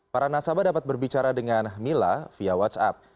para nasabah dapat berbicara dengan mila via whatsapp